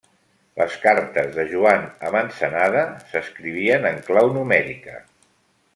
Les cartes de Joan amb Ensenada s'escrivien en clau numèrica.